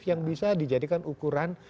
yang bisa dijadikan ukuran